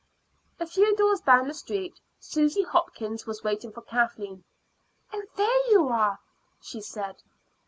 A few doors down the street Susy Hopkins was waiting for Kathleen. "Oh, there you are!" she said.